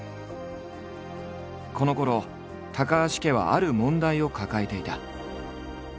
このころ高橋家はある問題を抱えていた。